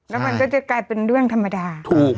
แล้วมันก็จะกลายเป็นเรื่องธรรมดาถูก